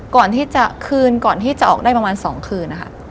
ก่อนที่จะคืนก่อนที่จะออกได้ประมาณ๒คืนนะคะ